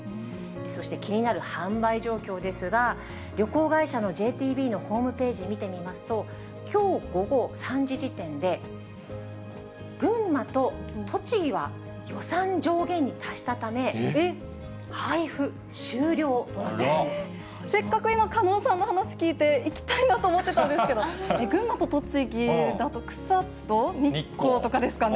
そして、気になる販売状況ですが、旅行会社のＪＴＢのホームページ見てみますと、きょう午後３時時点で、群馬と栃木は予算上限に達したため、せっかく、今、加納さんの話聞いて、行きたいなと思ってたんですけど、えっ、群馬と栃木だと、草津と日光とかですかね。